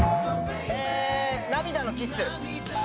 涙のキッス。